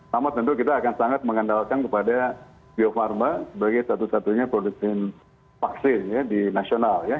sama tentu kita akan sangat mengandalkan kepada bio farma sebagai satu satunya produsen vaksin ya di nasional ya